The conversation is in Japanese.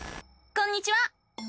こんにちは！